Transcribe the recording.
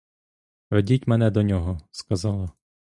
Ведіть мене до нього, — сказала.